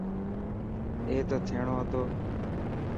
اي ته ٿيهڻو هتو.